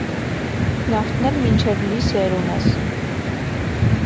Նավթն էլ մինչև լիս էրում ես: